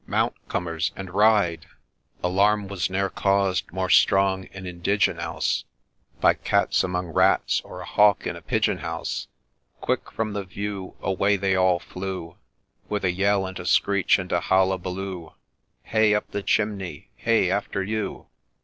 mount, Cummers, and ride I '— Alarm was ne'er caused more strong and indigenous By cats among rats, or a hawk in a pigeon house ; Quick from the view Away they all flew, With a yell, and a screech, and a halliballoo, ' Hey up the chimney ! Hey after you